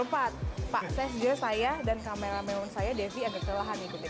pak csj saya dan kamerameun saya devi agak telah mengikuti